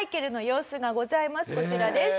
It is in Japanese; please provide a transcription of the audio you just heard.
こちらです。